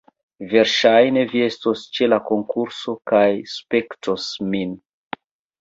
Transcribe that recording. Verŝajne, vi estos ĉe la konkurso kaj spektos min